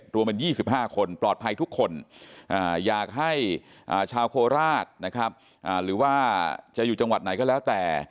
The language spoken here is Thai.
รวมเป็น๒๕คนปลอดภัยทุกคนอยากให้ชาวโคราชนะครับหรือว่าจะอยู่จังหวัดไหนก็แล้วแต่